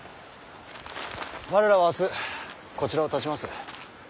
我らは明日こちらをたちます。